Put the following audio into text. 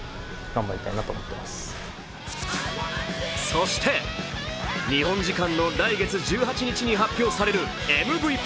そして、日本時間の来月１８日に発表されるＭＶＰ。